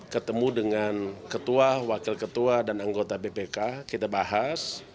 ketemu dengan ketua wakil ketua dan anggota bpk kita bahas